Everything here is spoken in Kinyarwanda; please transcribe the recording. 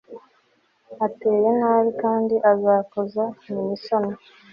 ateye nabi kandi azakoza nyina isoni